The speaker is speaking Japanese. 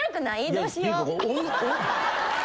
どうしよう。